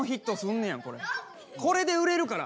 これで売れるから。